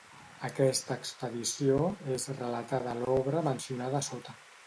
Aquesta expedició és relatada a l'obra mencionada a sota.